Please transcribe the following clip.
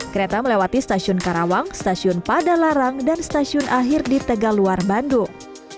kereta melewati stasiun karawang stasiun padalarang dan stasiun akhir di tegaluar bandung